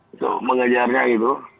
untuk mengajarnya gitu